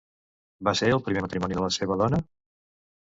Va ser el primer matrimoni de la seva dona?